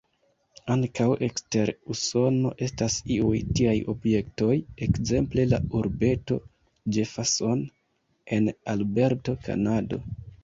Ankaŭ ekster Usono estas iuj tiaj objektoj, ekzemple la urbeto "Jefferson" en Alberto, Kanado.